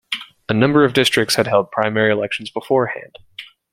A number of districts had held primary elections beforehand.